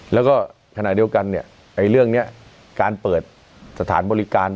แล้วก็ขณะเดียวกันเนี่ยเรื่องนี้การเปิดสถานบริการ